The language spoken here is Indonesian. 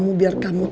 masuk geschmack semua